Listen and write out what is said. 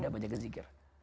udah banyakin zikir